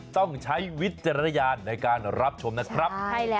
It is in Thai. ต้องใช้วิจารณญาณในการรับชมนะครับ